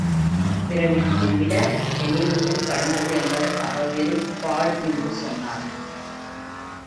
பிறகு இது இட எல்லையையும் கடந்தது என்பதற்காக வெறும் பாழ் என்று சொன்னார்.